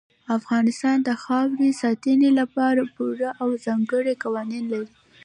افغانستان د خاورې د ساتنې لپاره پوره او ځانګړي قوانین لري.